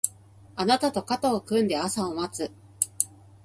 あなたと肩を組んで朝を待つ